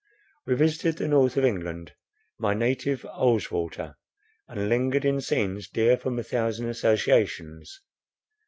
We visited the north of England, my native Ulswater, and lingered in scenes dear from a thousand associations.